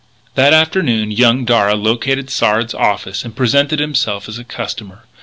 That afternoon young Darragh located Sard's office and presented himself as a customer.